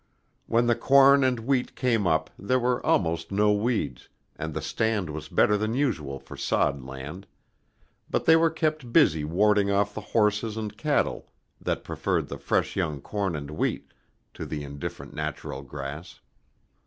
When the corn and wheat came up there were almost no weeds, and the stand was better than usual for sod land; but they were kept busy warding off the horses and cattle that preferred the fresh young corn and wheat to the indifferent natural grass.